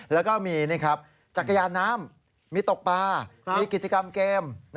แล้วก็มีจักรยานน้ำมีตกปลามีกิจกรรมเกม